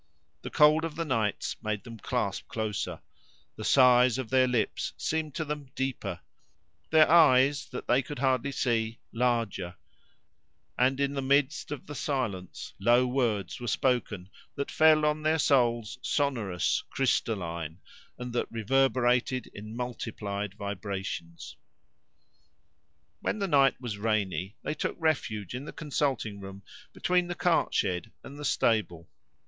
The cold of the nights made them clasp closer; the sighs of their lips seemed to them deeper; their eyes that they could hardly see, larger; and in the midst of the silence low words were spoken that fell on their souls sonorous, crystalline, and that reverberated in multiplied vibrations. When the night was rainy, they took refuge in the consulting room between the cart shed and the stable.